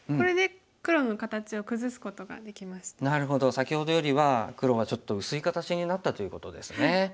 先ほどよりは黒がちょっと薄い形になったということですね。